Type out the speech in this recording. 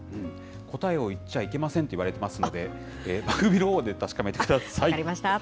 答えを言っちゃいけませんって言われてますので、番組のほう分かりました。